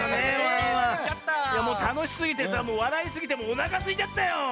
いやもうたのしすぎてさわらいすぎておなかすいちゃったよサボさん。